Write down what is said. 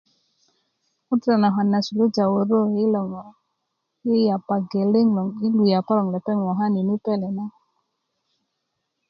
ŋutu' nanakwn na suluja wörö yi lo ŋo i yapa geleŋ lo yi yapa loŋ lepeŋ mokani nu pele na